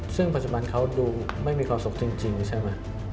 ซึ่งปัจจุบันเขาดูไม่มีความสุขจริงใช่ไหม